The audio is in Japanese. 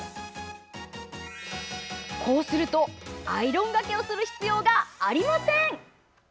こうすると、アイロンがけをする必要がありません。